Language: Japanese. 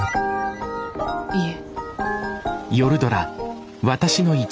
いえ。